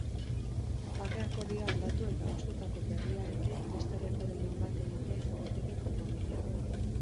Bake-akordioa aldatu eta adostutako berriarekin beste erreferendum bat egitea izan daiteke konponbidea.